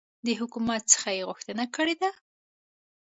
د حکومت څخه یي غوښتنه کړې ده